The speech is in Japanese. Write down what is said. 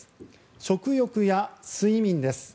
食欲や睡眠です。